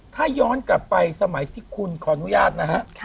ถ้าย้อนกลับไปสมัยที่คุณขออนุญาตนะฮะ